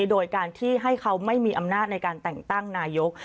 โดยการที่ให้เขาไม่มีอำนาจในการแต่งตั้งนายก